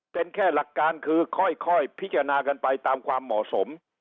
เป็นแค่หลักการคือค่อยพิจารณากันไปตามความเหมาะสม